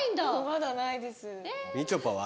まだないです。